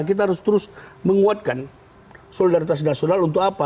kita harus terus menguatkan solidaritas nasional untuk apa